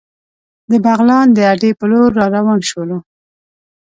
د بغلان د اډې په لور را روان شولو.